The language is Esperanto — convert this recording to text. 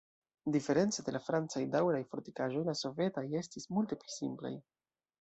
Diference de la francaj daŭraj fortikaĵoj la sovetaj estis multe pli simplaj.